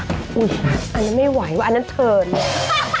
อันนั้นไม่ไหวอันนั้นเทินเลย